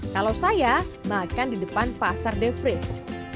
kalau saya makan di depan pasar de vries